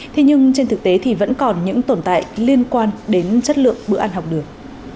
thế nhưng trên thực tế thì vẫn còn những tồn tại liên quan đến chất lượng bữa ăn học đường